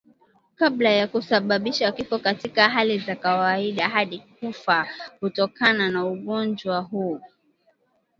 kabla ya kusababisha kifo Katika hali za kawaida hadi hufa kutokana na ugonjwa huu